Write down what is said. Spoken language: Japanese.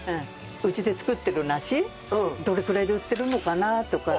うちで作ってる梨どれくらいで売ってるのかな？とか。